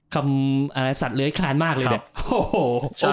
คำอะไรสัดเลื้อยคลานมากเลยเนี่ย